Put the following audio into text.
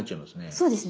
そうですね。